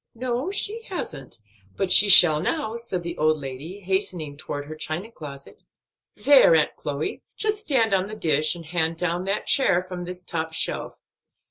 "No, so she hasn't; but she shall now," said the old lady, hastening toward her china closet. "There, Aunt Chloe, just stand on the dish, and hand down that chair from this top shelf.